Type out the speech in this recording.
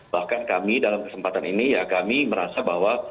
bahkan kami dalam kesempatan ini ya kami merasa bahwa